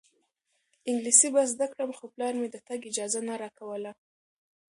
انګلیسي به زده کړم خو پلار مې د تګ اجازه نه راکوله.